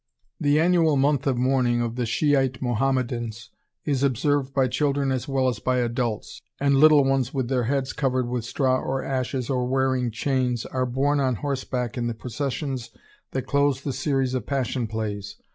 ] The annual month of mourning of the Shi'ite Mohammedans is observed by children as well as by adults, and little ones with their heads covered with straw or ashes, or wearing chains, are borne on horseback in the processions that close the series of passion plays.